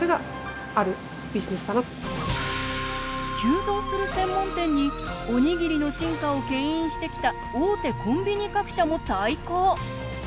急増する専門店におにぎりの進化をけん引してきた大手コンビニ各社も対抗。